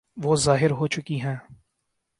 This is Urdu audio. وہ ظاہر ہو چکی ہیں۔